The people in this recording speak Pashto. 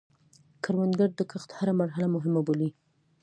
کروندګر د کښت هره مرحله مهمه بولي